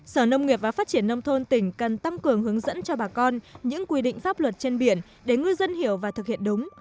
sở nông nghiệp và phát triển nông thôn tỉnh cần tăng cường hướng dẫn cho bà con những quy định pháp luật trên biển để ngư dân hiểu và thực hiện đúng